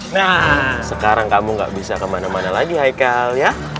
nah sekarang kamu gak bisa kemana mana lagi haikal ya